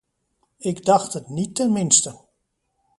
Ik dacht het niet tenminste.